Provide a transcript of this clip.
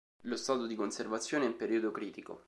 Lo stato di conservazione è in pericolo critico.